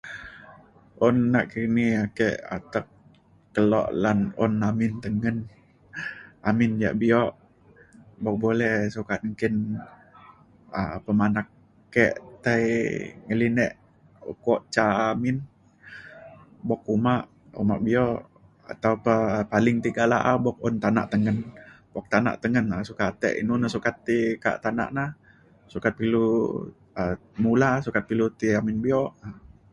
un nak kini na ake atek keluk lan un amin tengen amin ja' bio' bok boleh sokat engkin um pemanak ke' tai ngelinik ukok ca amin bok umak, umak bio' atau pe paling tiga la'a la bok un tanak tengen bok tanak tengen um sokat tai t inu ke tanak na sukat pe ilu um mula, sukat pe ilu ti amin bio'.